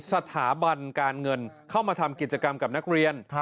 สถาบันการเงินเข้ามาทำกิจกรรมกับนักเรียน